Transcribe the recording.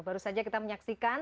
baru saja kita menyaksikan